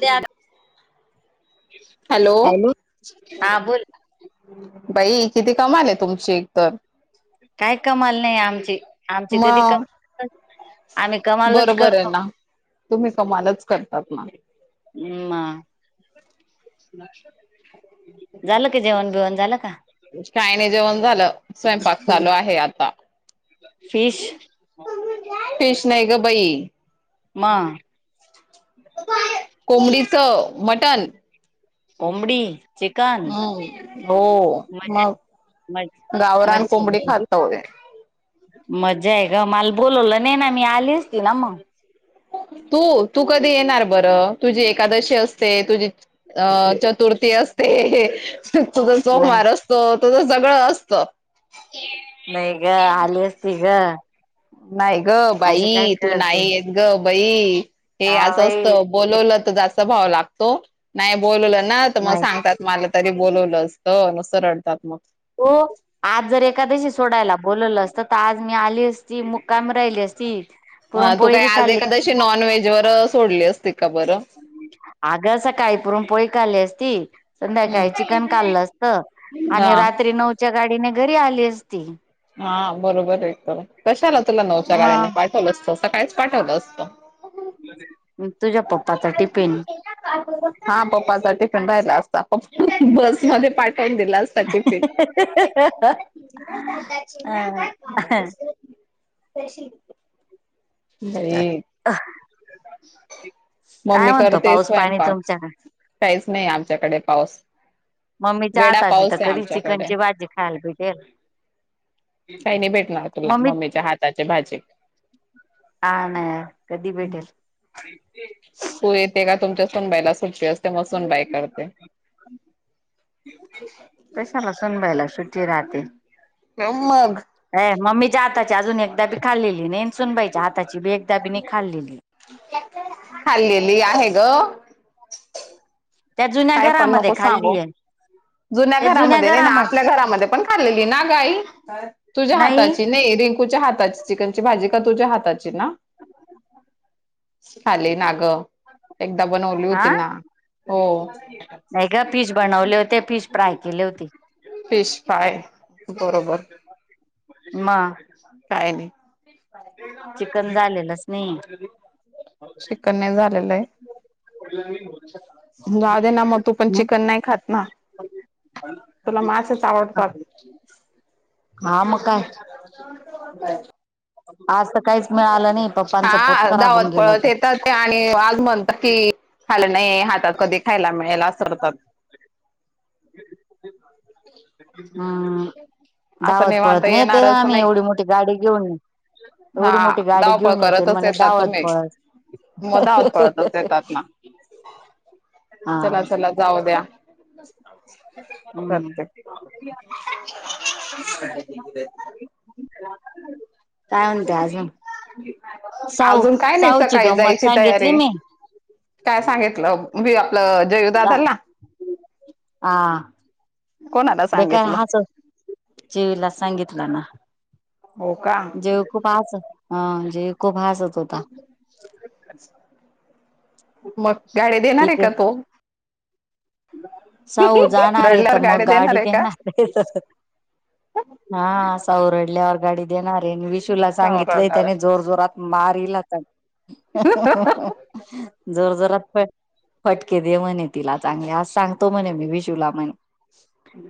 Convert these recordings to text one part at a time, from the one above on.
त्या हॅलो हा बोल बाई किती कमाले तुमची एक तर काय कमाल नाही आमची आमची कधी मग कमा आम्ही कमालच बरोबर आहे करतो ना तुम्ही कमालच करतात नाही ह् झालं की जेवण बेवण झालं का काय नाही जेवण झालं स्वयंपाक चालू आहे आता फिश फिच नाही का बाई म कोंबडीचं मटण उमडी हम् हो म मग मजा गावरान कोंबडी खातात व मजा आहे ग मला बोलवलं नाही ना मी आलीच ती ना मग तू तू कधी येणार बरं तुझी एकादशी असते तुझी अ चतुर्थी असते तुझं नाही सोमार असतो तुझं सगळं असत नाही ग आली असती ग नाही ग अशी काय बाई तू करते नाही येत ग बाई हे हा अस असत बाई बोलवलं तर जास्त भाव लागतो नाही बोलवलं ना तर मग नाही सांगतात मला तरी बोलवलं असत नसं रडतात मग हो आज जर एखाद्याशी सोडायला बोलवलं असत तर आज मी आली असती मुक्कायम राहिली असती तू पुरणपोळी काही बी आज खाल्ली एखादशी नॉन व्हेज वर सोडली असती का बरं आगं अस काही पुरून पोळी का आली अससती हम्म संध्याकाळी चिकन काललं असत हा आणि रात्री नऊच्या गाडीने घरी आली असती हा बरोबर एक तरला कशा आला तुला नऊच्या गाळ्याने मग पाठवलं असत सकाळीच पाठवलं असत तुझ्या पप्पाचा टिफिन हा पप्पा सा पण राहिला असता पप्पास मध्ये पाकाून दिला असता कुती अ बर अ मम्मी करते स्वयंपाक काहीच नाही आमच्याकडे पाऊस मम्मीच्या वेडा आताचीथ पाऊस आहे कधी आमच्याकडे चिकनची भाजी खायला भेटेल कााहीनी भेटणार तुला मम्मी मम्मीच्या हाताचे भाजी हा नाही कधी भेटेल तू येते का तुमच्या सनबायला सुटी अस ते मसून बाय करते कशाला सनबायला सुट्टी राहते मग ह मम्मीच्या आाताची अजून एकदा बी खाल्लेली नाही सुूनबायच्या आाताची बी एकदा बी नाही खाल्लेली हल्लीली आहे ग त्या जुन्या काय पण घरामध्ये नको सांगो खाल्लीय जुन्या घरामध्ये नाही ना आपल्या घरामध्ये पण खाल्लेली ना गाई तुझ्या हाताची नाही रिंकूच्या हाताची चिकन ची भाजी का तुझ्या हाताची ना खली नाग एकदा बनवली हा होती ना हो नाही ग पीस बनवले होते पीस फ्राय केले होते फिश फाय बरोबर. म काही नाही चिकन झालेलंच नाही. शिकन्य झालेलं आहे. पहिलं मी बोलू शकतो. जाऊ दे ना मग तू पण चिकन नाही खात ना? तुला मासेच आवडतात. हा मग काय. ह [unintelligible] आज. काहीच मिळालं नाही पप्पांचं हा पोट अ खराब होऊन धावत गेलं पळत तर येतात. आणि आज म्हणतात की खालं नाही हातात कधी खायला मिळाळेला सरतात. हा असं धावत निवांत पळत नाही ते येणारच आम्ही नाही एवढी मोठी गाडी घेऊन. एवढी हा मोठी गाडी धावपळ घेऊन येतो करतच म्हणे येतात धावत तुम्ही. पळत. मग हा धावत हा हा हा पळतच ये. येतात ना चला चला जाऊ द्या. ह. करते. काय म्हनता आजून. साऊ अजून काय नाही साऊची सकाळी गंमत जायची सांगीतली तयारी. मी. काय सांगितलं मी आपलं जयू दादाला. हा कोणाला ब सांगितलं? हाच जयू ला सांगितलं ना हो का जयू खूप हसत जयू खूप हासत होता. अच्छा! मग गाडी देणार आहे इकडे का तो? सऊ जाणार आहे रडल्यावर तर मग गाडी आहे का? देणार आहे तर. हा साऊ रडल्यावर गाडी देणार आहे. विशूला सांगितलंय सावरणार त्यानी जोर जोरात मारलाच. जोर जरात फ फटके दे म्हणे तिला चांगली आज सांगतो म्हणे मी विशूला म्हणे.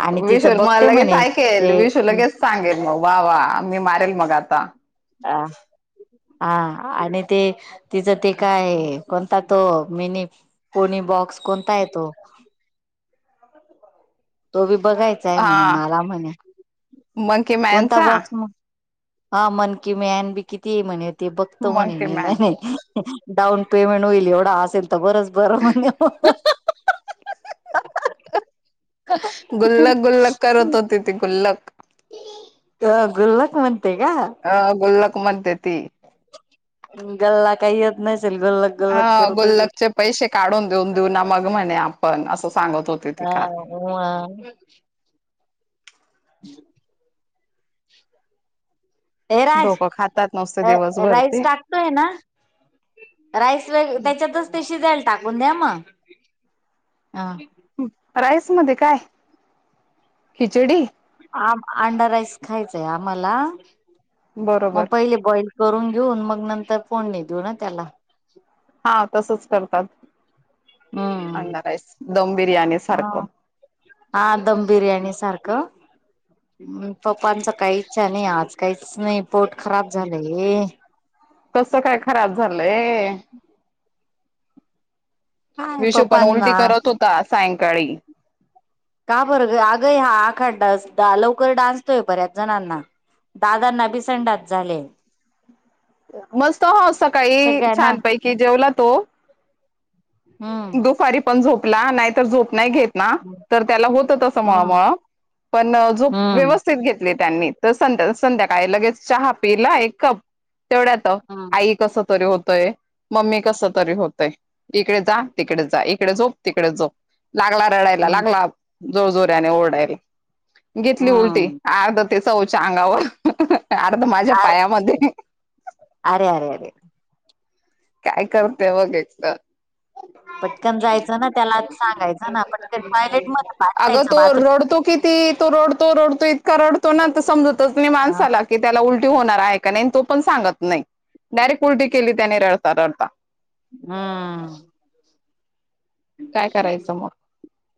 आणि विशू तिचं मला बघते लगेच म्हणे ऐकेल ते विशू लगेच सांगेल मग वा वा मी मारेल मग आता. हा. हा आणि ते तिचं ते काय कोणता तो मिनी. पुणी बॉक्स कोणता आहे तो- तो बी बघायचा आहे म्हणे हा मला म्हणे मंकी कोणता मॅनचा बॉक्स- हा मन की मॅन बी किती आहे म्हणे होते बघतो म्हणे मंकी मी मॅन म्हणे- डाऊन पेमेंट होईल एवढा असेल तर बरच बरं म्हण, गुल्लक गुल्लक करत होती ती गुल्लक. अ गुल्लाख म्हणते का? अ गुल्लक म्हणते ती. गल्ला काही येत नसेल गुल्लख गुल्लख अ करत असेल. गुल्लकचे पैसे काढून देऊन देऊ ना मग म्हणे आपण असं सांगत होतो. हा ह आ च. हे राज डोकं खातात नुसते दिवसभर राईस ते टाक. आहे ना राईस व त्याच्यातच ते शीजायला टाकून द्या मग. हांना. राईस मध्ये काय खिचडी. आ अंडा राईस खायचाय आम्हाला बरोबर मग पहिले बॉईल, करून घेऊन मग नंतर फोडनी देऊ ना त्याला, हा तसच करतात हम्म अंडा राईस दम बिर्याणी हा सारखं. हा दम बिर्याणी सारखं पप्पांचं काही इच्छा नाही आज काहीच नाही पोट खराब झालंय. कस काय खराब झालंय. काय विशू पण पप्पांना उलटी करत होता सायंकाळी. का बरं ग आग हा आखाड लवकर डाजतोय बऱ्याच जणांना. दादानां बि संडास झाले. मस्त हो सकाळी सगळ्यांना छानपैकी जेवला तो हम्म दुपारी पण झोपला नाही तर झोप नाही घेत. ना तर त्याला होत तसं हम्म मळमळ पण झोप हम्म व्यवस्थित घेतली त्यांनी. तर संध्या संध्याकाळी लगेच चहा पिला एक कप तेवढ्यात हम्म आई कस तरी होतंय मम्मी कस तरी होतय इकडे जा. तिकडे जा इकडे झोप तिकडे झोप लागला रडायला हम्म लागला. जोरजोऱ्याने ओरढायरी घेतली उलटी. हम्म अर्ध तेच उ च अंगावर अर्ध माझ्या पायामध्ये आरे आरे आरे काय करते बघ एकत पटकन जायचं ना त्याला सांगायचं ना पटकन टॉयलेट मध्ये पाठवायचं बाथरूम ती तो रडतो रोडतो इतका रडतो ना तर समजतच नाही माणसाला. कि त्याला उलटी होणार आहे का नाही तो पण सांगत नाही. डायरेक्ट उलटी केली त्याने रडता रडता. हम्म काय करायचं मग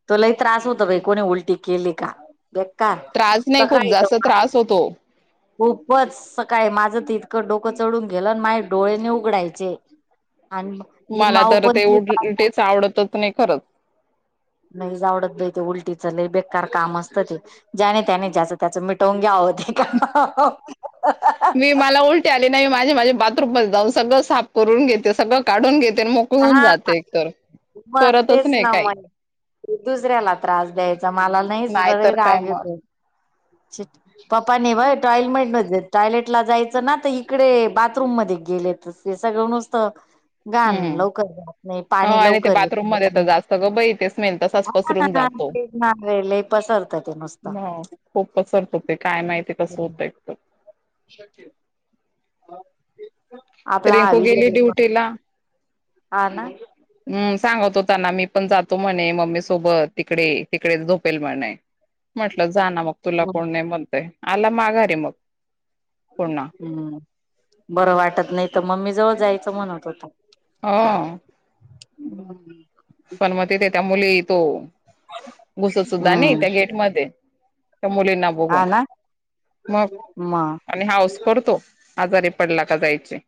तो लयी त्रास होत बाई कोणी उलटी केली का. बेकार त्रास नाही खूप सकाळी तर जास्त त्रास होतो खूपच सकाळी माझं त इतकं डोकं चढून गेलं न माझे डोळे नही उघडायचे. आणि ही माऊ पण तेच आवडतच नाही खरच. नाहीज आवडत बयी ते, उलटीच लयी बेकार काम असतं ते. ज्याने त्याने ज्याच त्याच मिटवून घ्याव ते आले नाही माझे माझे बाथरूम मध्ये जाऊन सगळं साफ करून घेते. सगळं काढून घेते मग ऊन जाते एक तर म तेच ना म दुसऱ्याला त्रास द्यायचा मला नाहीच नाहीतर काय राग मग येतो. पप्पाने बय टॉयलम टॉयलेट ला जायचं ना तर इकडे बाथरूम मध्ये गेले ते. ते सगळं नुसतं [inaudible] घाण लवु हो पाणी आणि ते लवकर येत बाथरूम मध्ये तर नाही जास्त ग बाई ते स्मेल तसाच पसरून जातो. काही नाही पसरत ते मस्त. म खूप पसरत ते काय माहिती कसं होतं एकत आपला हा रिंकू गेली ड्युटीला हा ना हम्म सांगत होता ना मी पण जातो म्हणे मम्मी सोबत. तिकडे, तिकडेच झोपेल म्हणे. म्हटलं जा ना मग तुला कोण नाही म्हणतय. आला माघारी मग. पुन्हा हम्म बरं वाटत नाही तर मम्मी जवळ जायचं म्हणत होता. हा [unintelligible] पण म तीथे त्या मुली तो घुसत सुद्धा नाही हम्म त्या गेट मध्ये. त्या मुलींना हा बघून ना मग मग आणि हाऊस करतो. आजारी पडला का जायचे.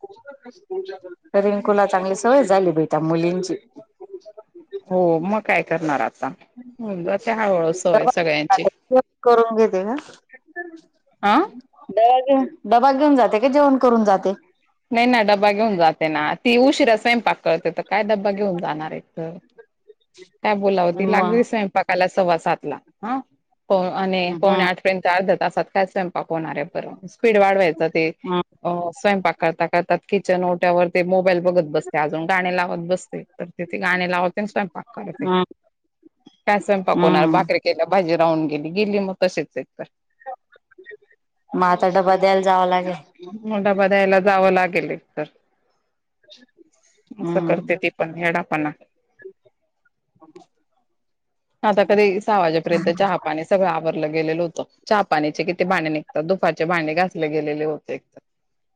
त्या रिंकूला चांगली सवय झाली बयी त्या मुलींची. हो मग काय करणार आता होऊन जाते हळुहळू सवय डबा सगळ्यांची. करून घेते का? अं डबा घेऊन डबा घेऊन जाते का जेवण करून जाते. नाही ना डबा घेऊन जाते ना. ती उशीरा स्वयंपाक करते तर काय डबा घेऊन जाणार एक तर [inaudible] काय बोलाव ती मग लागली स्वयंपाकाला सव्वा सातला, ह, हो आणि पवणे हम्म आठ त्याचा अर्ध तासात काय स्वयंपाक होणार आहे बरं स्पीड वाढवायच ते, हम्म स्वयंपाक [unintelligible] किचन ओट्यावर ते मोबाईल बोलत बसते अजून गाणे लावत बसते तर तीथे गाणे लावते आणि स्वयंपाक करते. हम्म काय स्वयंपाक होणार हम्म. भाकरी केल्या भाजी राहून गेली गेली मग तसेच एक तर. म आता डबा द्यायला जावं लागेल. डबा द्यायला जावं लागेल एक तर असं करते हम्म ती पण येडा पणा. आता तरी सहा वाजेपर्यंतच्या चहा पाणी सगळं आवररलं गेलेलं होतं. चहा पाणीचे किती भांडे निघतात. दुपााचे भांडे घाासले गेलेले होते. एक,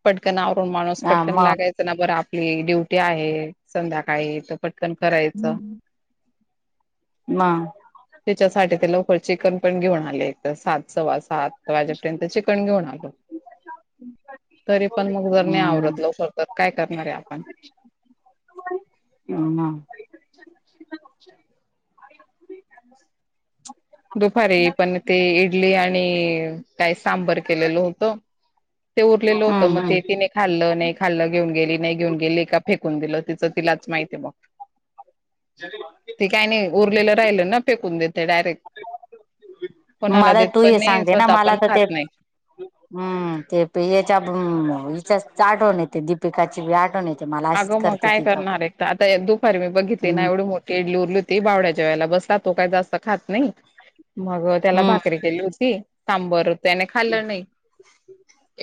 पटकन आवरून माणूस हा पटकन मग लागाय [unintelligible] बरं आपली ड्युटी आहे संध्याकाळी तर पटकन करायचं. मा. त्याच्यासाठी ते लवकर चिकन पण घेऊन आले सात सव्वा सात वाजेपर्यंत चि पण घेऊन आलो. तरी पण मग जर नाही हम्म. आवरत लवकर तर काय करणार आहे आपण. हा ना. दुपारी पण ते इडली आणि काय सांबर केलेलं होत. ते उरलेलं होतं हम्म. म ते हम्म तिने खाल्लं नाही खाल्लं घेऊन गेली नाही घेऊन गेली का फेकून दिलं तिचं तिलाच माहिती बग. ते काय नाही उरलेलं राहिलं ना फेकून देते डायरेक्ट. कोणाला मला देत तू पण हे नाही सांगते ना स्वतः मला पण तर खात ते नाही हम्म ते प याच्या हच्या आठवण येते दीपिकाची आठवण येते. मला अशीच अगं मग करते काय ती पण करणार एक तर आता दुपारी मी बघितली ना हम्म एवढं मो [unintelligible] उरली होती बावड्याच्या वेळेला बसला तो काही जास्त खात नाही, मग त्याला हम्म भाकरी केली होती सांबर त्याने खाल्लं नाही,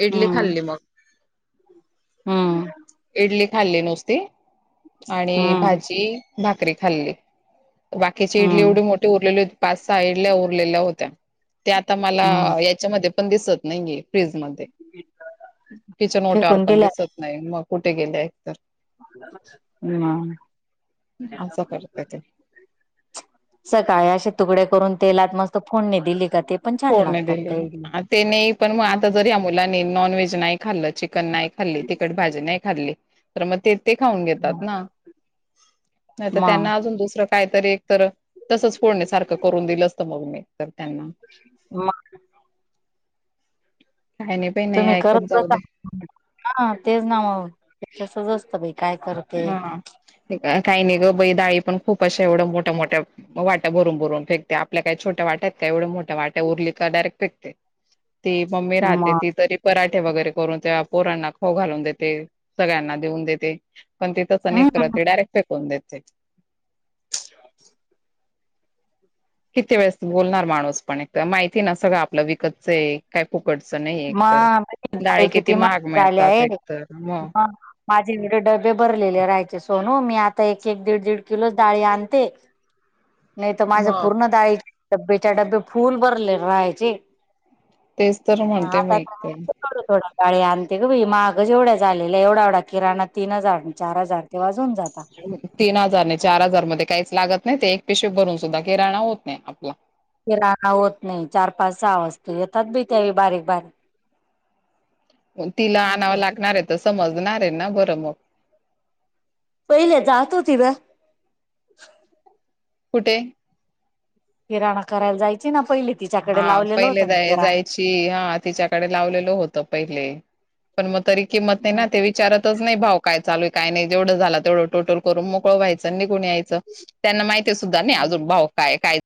इडली हम्म खाल्ली मग. हम्म. इडली खाल्ली नुसती, आणि हम्म भाजी भाकरी खाल्ली. बाकीची इडली हम्म एवढी मोठी उरलेली होती पाच सहा इडल्या उरलेल्या होत्या. ते आता मला हम्म याच्यामध्ये पण दिसत नाहीये फ्रीजमध्ये. किचन ओट्यार फेकून पण दिल्या दिसत नाही मग कुठे गेले एक तर. हम्. असं करत्या ते. सकाळी असे तुकडे करून तेलात मस्त फोडणी दिली का ते पण छान फोडणी लागतात दिली, ते इडली. ते नाही पण मग हम्म आता जरी मुलाने नॉनज नाही खाल्लं चिकन नाही खाल्ली तिखट भाजी नाही खाल्ली तर मग ते ते खाऊन घेतात ना, नाही तर मग त्यांना अजून दुसरं काहीतर एतर तसंच फोडनी सारखं करून दिलं असत मग मी तर त्यांना. म. काय नय बाय नाय तुम्ही ऐकत करत जाऊ बसा दे. हा तेच ना म तसच असत बाई. काय करते हा, काही नाही ग बाई डाळी पण खूप अशा एवढं मोठ्या मोठ्या वाट्या भरून भरून फेकते आपल्या काय छोट्या वाट्यात का एवढं मोठ्या वाट्या उरली तर डायरेक्ट फेकते. ती मम्मी राहते मग ती तरी पराठे वगैरे करून त्या पोरांना खाऊ घालून देते सगळ्यांना देऊन देते. पण ती तस नाई हम्म करत ती डायरेक्ट फेकून देत. किती वेळेस बोलणार माणूस पण एक तर माहिती ना सगळं आपलं विकतचय. काही फुकटचं नाही एकतर, मग बाई डाळी किती महाग झाले मिळतात आहे एकतर म. माझे इकडेे डबे भरलेले राहायचे सोनू मी आता एक- एक, दीड- दीड किलोच डाळी आणते. [unintelligible] नाही तर माझं पूर्ण ाळी डबेच्या डबे फुल भरले राहायचे. तेच तर म्हणते आता मी का? थोड थोड्या गळे आणते गंई मागं जेवढ्या झालेल्या एवढा एवढा किराणा तीन हजार चार हजार ते वाजून जात. तीन हजार नाही चार हजार मध्ये काहीच लागत नाही ते एक पेशे भरून सुद्धा किराणा होत नाही आपला किराणा होत नाही चार पाच सहा वाजता येतात बी त्या बारीक बारीक. तिला काय आणावं करते लागणार आहे तर समजणार आहे ना बरं मग. पहिले जात होती ना. कुठे? किराणा करायला जायची ना पहिली. हा पहिले द जायची हा तिच्याकडे लावलेल होतं पहिले पण मग तरी क मते ना किराणा ते विचारतच नाही भाऊ काय चालूय काय नाही जवढं झाला तेवढं टोटल करून मोकळं व्हायचं नाही कुणी यायचं. त्यांना माहिती आहेे सुद्धा नाही अजून भाऊ काय काय?